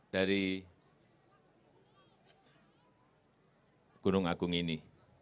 dari gunung agung ini